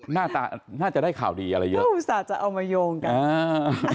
หน้าตาน่าจะได้ข่าวดีอะไรเยอะอุตส่าห์จะเอามาโยงกันอ่า